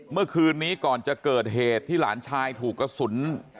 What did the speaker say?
เมื่อคืนนี้ก่อนจะเกิดเหตุที่หลานชายถูกกระสุน